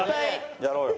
やろうよ。